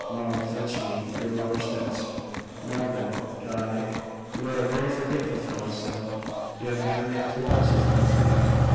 Maud, fetch me your mother's desk. Now then, Guy you are a very forgetful fellow still; you have never yet told us your friend's name."